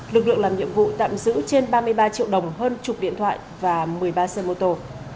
lực lượng làm nhiệm vụ tạm giữ trên ba mươi ba triệu đồng hơn chục điện thoại và một mươi ba xe mô tô